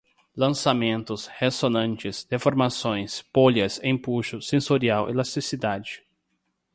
lançamentos, ressonantes, deformações, polias, empuxo, sensorial, elasticidade